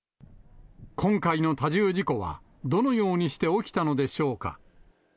今回の多重事故は、どのようにして起きたのでしょうか。